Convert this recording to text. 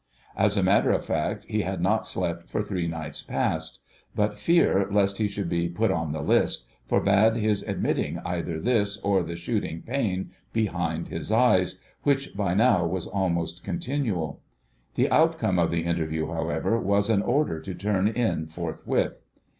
As a matter of fact he had not slept for three nights past; but fear lest he should be "put on the list" forbade his admitting either this or the shooting pain behind his eyes, which by now was almost continual. The outcome of the interview, however, was an order to turn in forthwith.